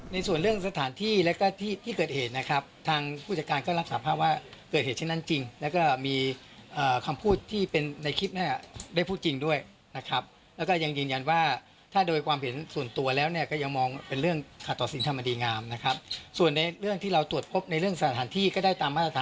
ในส่วนเรื่องสถานที่แล้วก็ที่ที่เกิดเหตุนะครับทางผู้จัดการก็รับสาภาพว่าเกิดเหตุเช่นนั้นจริงแล้วก็มีคำพูดที่เป็นในคลิปเนี่ยได้พูดจริงด้วยนะครับแล้วก็ยังยืนยันว่าถ้าโดยความเห็นส่วนตัวแล้วเนี่ยก็ยังมองเป็นเรื่องขาดต่อสิ่งธรรมดีงามนะครับส่วนในเรื่องที่เราตรวจพบในเรื่องสถานที่ก็ได้ตามมาตร